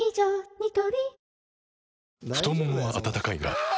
ニトリ太ももは温かいがあ！